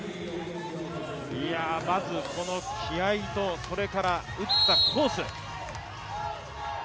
まずこの気合いと、それから打ったコース。